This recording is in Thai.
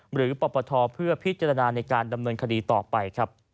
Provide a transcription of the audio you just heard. หรือปรบประทอเพื่อพิจารณาในการดำเนินคดีต่อไป